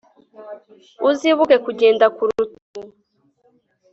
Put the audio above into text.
uzibuke kugenda ku rutugu